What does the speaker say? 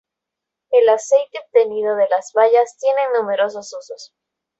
El aceite obtenido de las bayas tienen numerosos usos.